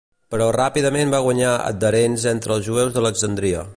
Però ràpidament va guanyar adherents entre els jueus d'Alexandria.